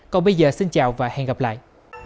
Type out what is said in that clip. còn bây giờ xin chào và hẹn gặp lại